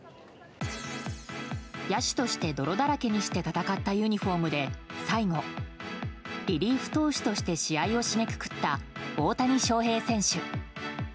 野手として泥だらけにして戦ったユニホームで最後、リリーフ投手として試合を締めくくった大谷翔平選手。